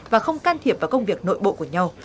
và không can thiệp vào công việc nội bộ của nhau